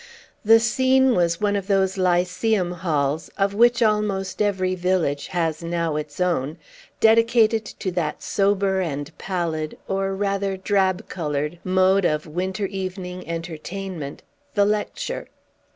The scene was one of those lyceum halls, of which almost every village has now its own, dedicated to that sober and pallid, or rather drab colored, mode of winter evening entertainment, the lecture.